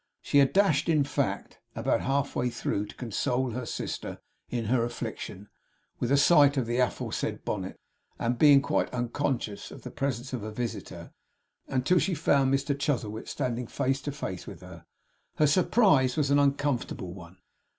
She had dashed in, in fact, about half way through, to console her sister, in her affliction, with a sight of the aforesaid bonnet; and being quite unconscious of the presence of a visitor, until she found Mr Chuzzlewit standing face to face with her, her surprise was an uncomfortable one.